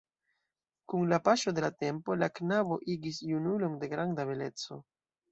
Kun la paŝo de la tempo, la knabo igis junulon de granda beleco.